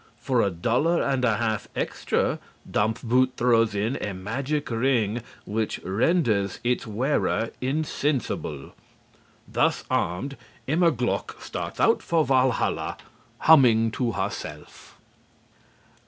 For a dollar and a half extra Dampfboot throws in a magic ring which renders its wearer insensible. Thus armed, Immerglück starts out for Walhalla, humming to herself.